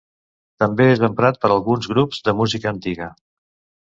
També és emprat per alguns grups de música antiga.